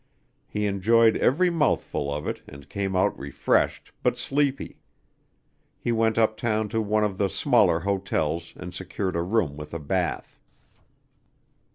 He enjoyed every mouthful of it and came out refreshed but sleepy. He went up town to one of the smaller hotels and secured a room with a bath.